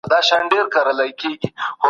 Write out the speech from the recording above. څوک د نړیوال فضا سټیشن چاري سمبالوي؟